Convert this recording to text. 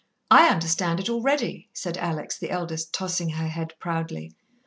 "I understand it already," said Alex, the eldest, tossing her head proudly.